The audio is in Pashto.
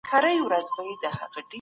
کمپيوټر فولډر بندوي.